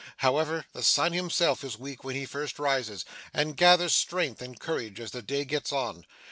However, the Sun himself is weak when he first rises, and gathers strength and courage as the day gets on.